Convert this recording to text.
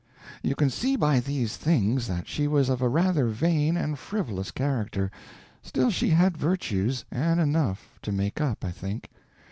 You can see by these things that she was of a rather vain and frivolous character; still, she had virtues, and enough to make up, I think.